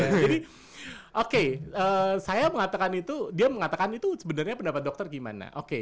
jadi oke saya mengatakan itu dia mengatakan itu sebenarnya pendapat dokter gimana oke